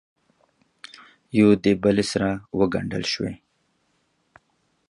یو دبلې سره وګنډل شوې